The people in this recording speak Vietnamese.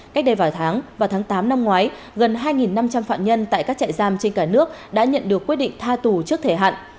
cách đây vài tháng vào tháng tám năm ngoái gần hai năm trăm linh phạm nhân tại các trại giam trên cả nước đã nhận được quyết định tha tù trước thời hạn